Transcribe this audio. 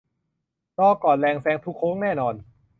รอ ก่อน แรงแซงทุกโค้งแน่นอน